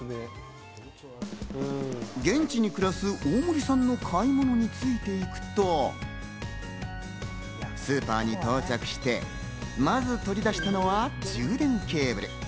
現地に暮らす大森さんの買い物についていくと、スーパーに到着して、まず取り出したのは充電ケーブル。